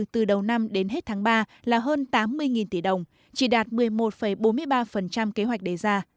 từ đầu năm đến hết tháng ba là hơn tám mươi tỷ đồng chỉ đạt một mươi một bốn mươi ba kế hoạch đề ra